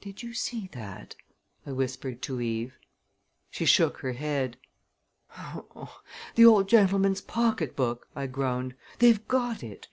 "Did you see that?" I whispered to Eve. She shook her head. "The old gentleman's pocketbook," I groaned; "they've got it!"